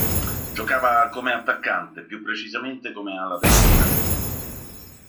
Giocava come attaccante, più precisamente come ala destra.